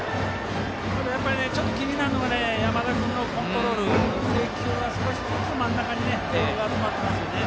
ちょっと気になるのが山田君のコントロール、制球は少しずつ真ん中にボールが集まっていますね。